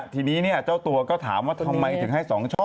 ทีนี้เจ้าตัวก็ถามว่าทำไมถึงให้๒ช่อ